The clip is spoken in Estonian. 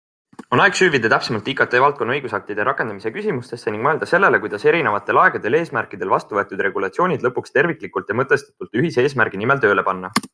On aeg süüvida täpsemalt IKT valdkonna õigusaktide rakendamise küsimustesse ning mõelda sellele, kuidas erinevatel aegadel ja eesmärkidel vastu võetud regulatsioonid lõpuks terviklikult ja mõtestatult ühise eesmärgi nimel tööle panna.